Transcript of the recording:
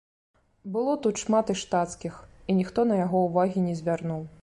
Было тут шмат і штацкіх, і ніхто на яго ўвагі не звярнуў.